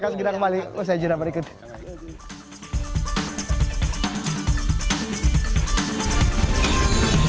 kita akan bahas soal ini